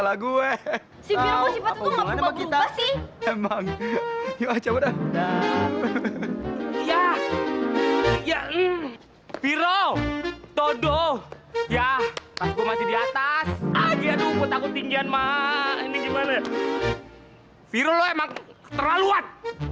lo emang keterlaluan